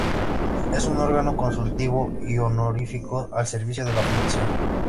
Es un órgano consultivo y honorífico al servicio de la Fundación.